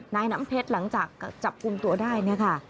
นายน้ำเพชรหลังจากจับกุมตัวได้นะคะ